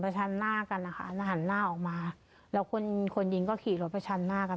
ชันหน้ากันนะคะแล้วหันหน้าออกมาแล้วคนคนยิงก็ขี่รถประชันหน้ากัน